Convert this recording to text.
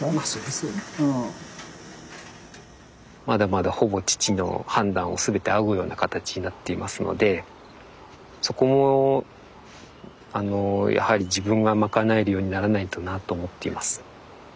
まだまだほぼ父の判断を全て仰ぐような形になっていますのでそこもあのやはり自分が賄えるようにならないとなと思っています。